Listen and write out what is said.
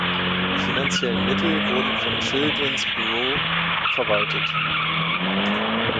Die finanziellen Mittel wurden von dem Children’s Bureau verwaltet.